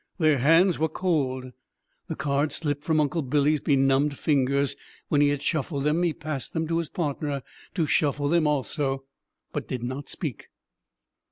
Their hands were cold; the cards slipped from Uncle Billy's benumbed fingers; when he had shuffled them he passed them to his partner to shuffle them also, but did not speak.